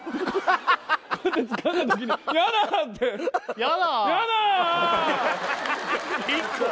こうやってつかんだ時に「ヤダ」ってＩＫＫＯ